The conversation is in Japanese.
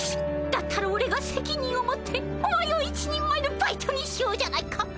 だったらおれがせきにんを持ってお前を一人前のバイトにしようじゃないか。